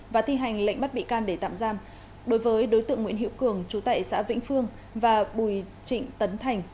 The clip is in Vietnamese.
và thi hành lệnh bắt bị can để tạm giam đối với đối tượng nguyễn hiệu cường chú tại xã vĩnh phương và bùi trịnh tấn thành